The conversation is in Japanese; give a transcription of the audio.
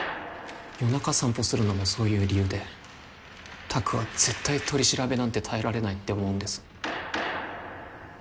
夜中散歩するのもそういう理由で拓は絶対取り調べなんて耐えられないって思うんです